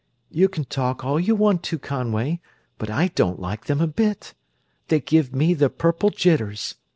"You can talk all you want to, Conway, but I don't like them a bit. They give me the purple jitters!